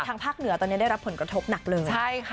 ทางภาคเหนือตอนนี้ได้รับผลกระทบหนักเลยใช่ค่ะ